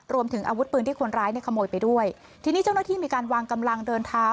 รวมถึงอาวุธปืนที่คนร้ายเนี่ยขโมยไปด้วยทีนี้เจ้าหน้าที่มีการวางกำลังเดินเท้า